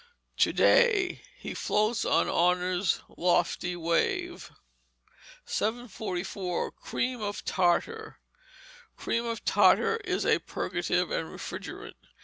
[TO DAY, HE FLOATS ON HONOUR'S LOFTY WAVE.] 744. Cream of Tartar Cream of Tartar is a purgative and refrigerant.